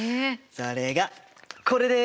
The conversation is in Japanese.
それがこれです！